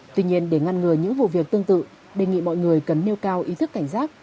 tuy nhiên để ngăn ngừa những vụ việc tương tự đề nghị mọi người cần nêu cao ý thức cảnh giác